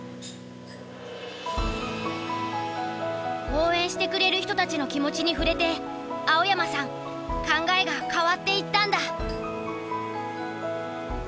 応援してくれる人たちの気持ちに触れて青山さん考えが変わっていったんだ。